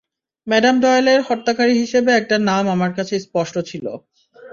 Madam ডয়েলের হত্যাকারী হিসেবে একটা নাম আমার কাছে স্পষ্ট ছিল।